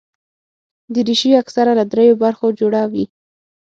دریشي اکثره له درېو برخو جوړه وي.